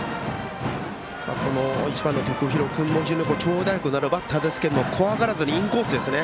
この１番の徳弘君も非常に長打力のあるバッターですが怖がらずにインコースですね